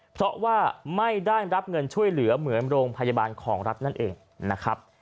เพราะว่าไม่ได้รับเงินช่วยเหลือเหมือนโรงพยาบาลของรัฐนั่นเองนะครับ